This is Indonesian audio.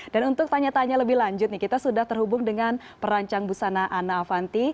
dan untuk tanya tanya lebih lanjut kita sudah terhubung dengan perancang busana ana avanti